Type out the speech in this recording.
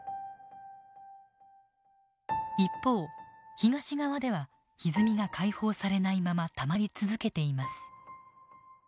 一方東側ではひずみが解放されないままたまり続けています。